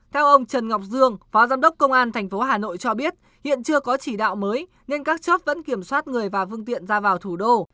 theo ông trần ngọc dương phó giám đốc công an tp hà nội cho biết hiện chưa có chỉ đạo mới nên các chốt vẫn kiểm soát người và phương tiện ra vào thủ đô